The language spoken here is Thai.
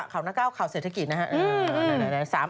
ข่าวหน้าก้าวข่าวเศรษฐกิจนะครับ